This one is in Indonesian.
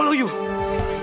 lagi ya men